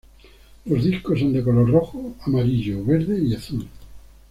Los discos son de color rojo, amarillo, verde y azul.